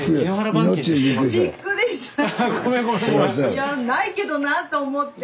いやないけどなと思って。